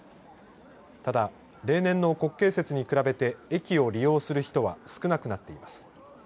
ただ、例年の国慶節に比べて駅を利用する人は少なくなっています。